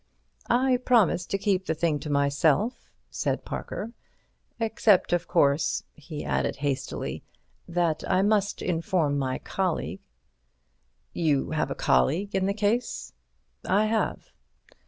"I promise to keep the thing to myself," said Parker, "except of course," he added hastily, "that I must inform my colleague." "You have a colleague in the case?" "I have."